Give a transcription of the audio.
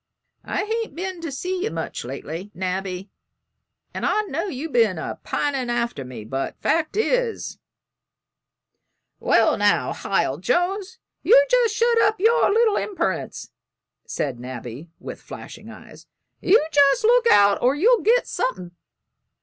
"I hain't been to see you much lately, Nabby, and I know you've been a pinin' after me, but fact is " "Well, now, Hiel Jones, you jest shet up with your imperence," said Nabby, with flashing eyes; "you jest look out or you'll get suthin."